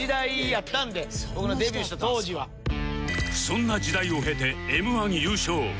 そんな時代を経て Ｍ−１ 優勝